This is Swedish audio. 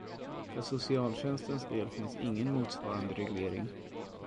För socialtjänstens del finns ingen motsvarande reglering.